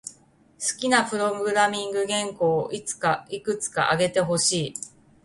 好きなプログラミング言語をいくつか挙げてほしい。